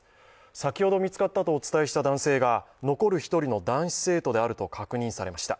先ほど見つかったとお伝えした男性が残る１人の男子生徒であると確認されました。